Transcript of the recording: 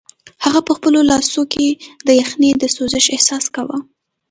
هغه په خپلو لاسو کې د یخنۍ د سوزش احساس کاوه.